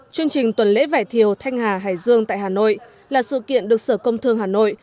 chương trình tuần lễ vải thiều thanh hà hải dương tại hà nội là sự kiện được sở công thương hà nội